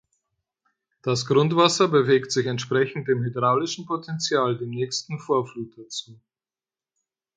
Das Grundwasser bewegt sich entsprechend dem hydraulischen Potential dem nächsten Vorfluter zu.